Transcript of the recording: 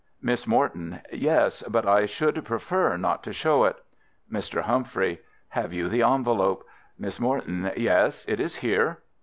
Miss Morton: Yes, but I should prefer not to show it. Mr. Humphrey: Have you the envelope? Miss Morton: Yes, it is here.